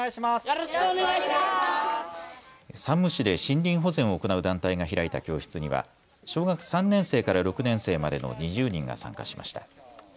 山武市で森林保全を行う団体が開いた教室には小学３年生から６年生までの２０人が参加しました。